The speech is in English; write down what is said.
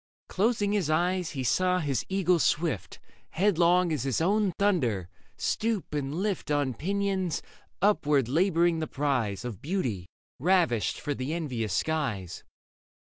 Closing his eyes, he saw his eagle swift. Headlong as his own thunder, stoop and lift On pinions upward labouring the prize Of beauty ravished for the envious skies.